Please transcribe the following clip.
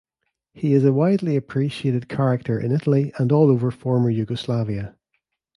He is a widely appreciated character in Italy and all over former Yugoslavia.